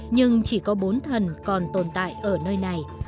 nhưng chỉ có bốn thần còn tồn tại ở nơi này